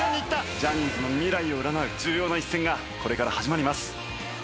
ジャニーズの未来を占う重要な一戦がこれから始まります。